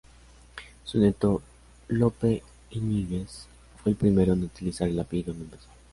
Su nieto Lope Iñiguez fue el primero en utilizar el apellido Mendoza.